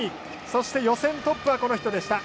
そして、予選トップはこの人でした。